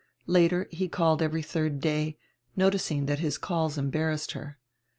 Later he called every diird day, noticing that his calls embarrassed her.